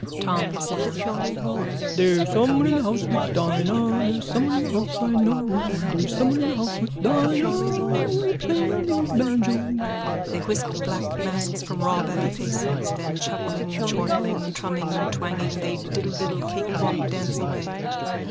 _ TOM AND SAM: There's someone in the house with Dina There's someone in the house, I know, There's someone in the house with Dina Playing on the old banjo. _(They whisk black masks from raw babby faces: then, chuckling, chortling, trumming, twanging, they diddle diddle cakewalk dance away.)